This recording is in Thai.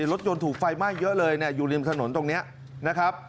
รถยนต์ถูกไฟไหม้เยอะเลยอยู่ริมถนนตรงนี้นะครับ